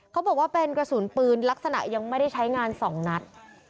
เขาบอกว่าเป็นกระสุนปืนลักษณะยังไม่ได้ใช้งาน๒นัด